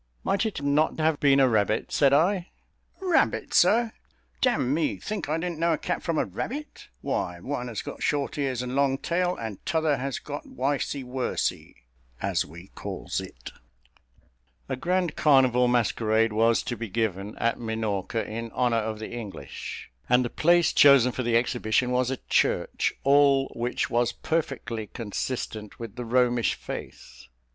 "Might it not have been a rabbit?" said I. "Rabbit, sir; d n me, think I didn't know a cat from a rabbit? Why one has got short ears and long tail, and t'other has got wicee wersee, as we calls it." A grand carnival masquerade was to be given at Minorca in honour of the English, and the place chosen for the exhibition was a church; all which was perfectly consistent with the Romish faith.